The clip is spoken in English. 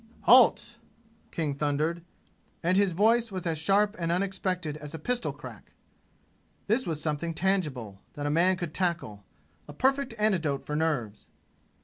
"Halt!" King thundered; and his voice was as sharp and unexpected as a pistol crack. This was something tangible, that a man could tackle a perfect antidote for nerves.